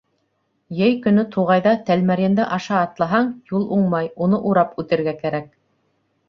Йәй көнө туғайҙа тәлмәрйенде аша атлаһаң, юл уңмай -уны урап үтергә кәрәк.